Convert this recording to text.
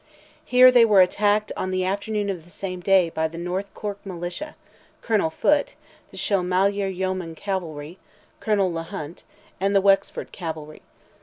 Here they were attacked on the afternoon of the same day by the North Cork Militia, Colonel Foote, the Shilmalier Yeoman cavalry, Colonel Le Hunte, and the Wexford cavalry.